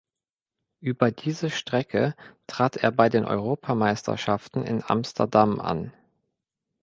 Über diese Strecke trat er bei den Europameisterschaften in Amsterdam an.